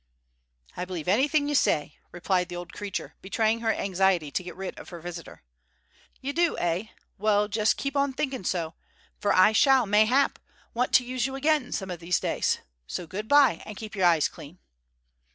"I believe any thing you say," replied the old creature, betraying her anxiety to get rid of her visitor. "You do, eh? Well, jist keep on thinking so, for I shall, mayhap, want to use you again some of these days. So good by, and keep your eyes clean."